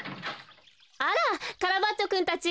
あらカラバッチョくんたち。